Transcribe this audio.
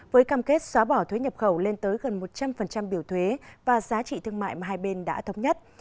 với cam kết xóa bỏ thuế nhập khẩu lên tới gần một trăm linh biểu thuế và giá trị thương mại mà hai bên đã thống nhất